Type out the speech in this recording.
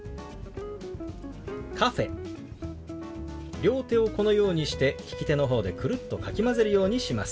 両手をこのようにして利き手の方でくるっとかき混ぜるようにします。